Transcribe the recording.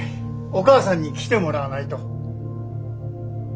お母さんに来てもらわないと。